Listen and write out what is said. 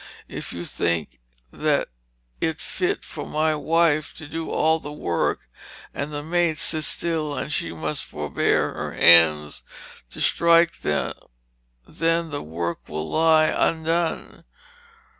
Yf you think yt fitte for my Wyfe to do all the work and the maide sitt still, and shee must forbear her hands to strike then the work will lye vndonn....